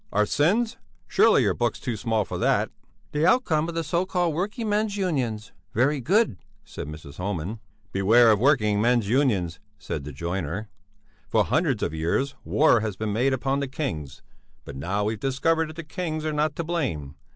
Our sins? Surely your book's too small for that!" "The outcome of the so called working men's unions...." "Very good," said Mrs. Homan. "Beware of the working men's unions," said the joiner. "For hundreds of years war has been made upon the kings, but now we've discovered that the kings are not to blame.